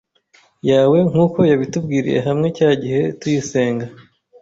yawe nkuko yabitubwiriye hamwe cya gihe tuyisenga,